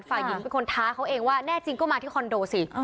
ฝ่ายหญิงเป็นคนท้าเขาเองว่าแน่จริงก็มาที่คอนโดสิ